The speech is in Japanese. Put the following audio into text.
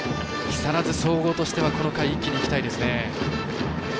木更津総合としてはこの回、一気にいきたいですね。